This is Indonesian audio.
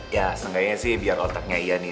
ya setengahnya sih biar otaknya ian ini